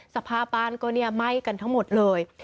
สภาพบ้านก็ไหม้กันทั้งหมดเลย